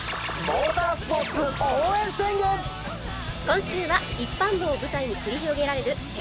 今週は一般道を舞台に繰り広げられる世界ラリー。